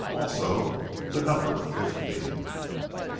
also the number fifteen."